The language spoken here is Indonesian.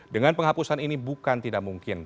dengan penghapusan ini bukan tidak mungkin